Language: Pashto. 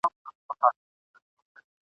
رسنۍ تعلیم ته وده ورکوي.